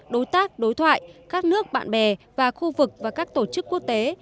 đối tác đối thoại các nước bạn bè và khu vực và các tổ chức quốc tế